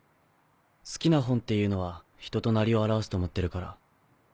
好きな本っていうのは人となりを表すと思ってるから。